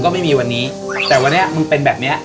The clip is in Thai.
ก็ไม่มีวันนี้แต่วันนี้มึงเป็นแบบเนี้ย